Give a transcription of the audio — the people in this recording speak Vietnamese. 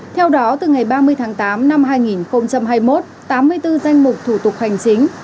theo đó từ ngày ba mươi tháng tám năm hai nghìn hai mươi một tám mươi bốn danh mục thủ tục hành chính